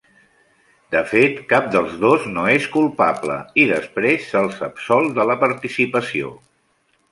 De fet, cap dels dos no és culpable, i després se'ls absol de la participació.